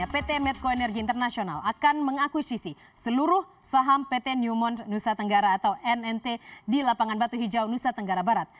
pt medco energi internasional akan mengakuisisi seluruh saham pt newmont nusa tenggara atau nnt di lapangan batu hijau nusa tenggara barat